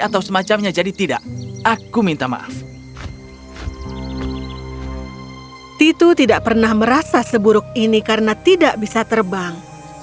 tidak aku tidak bisa terbang